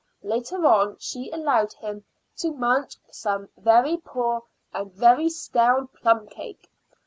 Later on she allowed him to munch some very poor and very stale plumcake.